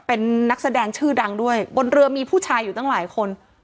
เป็นนักแสดงชื่อดังด้วยบนเรือมีผู้ชายอยู่ตั้งหลายคน